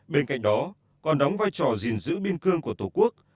bên cạnh đó còn đóng vai trò gìn giữ biên cương của tổ quốc